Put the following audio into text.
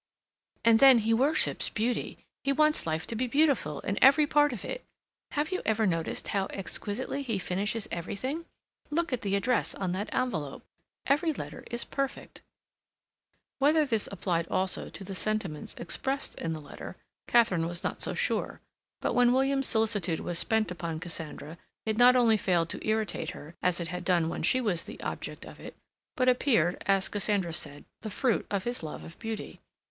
"And then he worships beauty. He wants life to be beautiful in every part of it. Have you ever noticed how exquisitely he finishes everything? Look at the address on that envelope. Every letter is perfect." Whether this applied also to the sentiments expressed in the letter, Katharine was not so sure; but when William's solicitude was spent upon Cassandra it not only failed to irritate her, as it had done when she was the object of it, but appeared, as Cassandra said, the fruit of his love of beauty.